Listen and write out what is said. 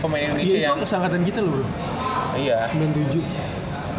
maksudnya pemain indonesia yang